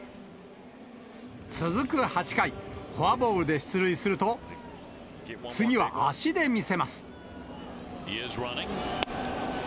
続く８回、フォアボールで出塁すると、次は足で見せます。